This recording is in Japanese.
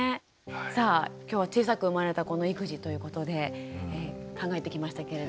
さあ今日は「小さく生まれた子の育児」ということで考えてきましたけれども。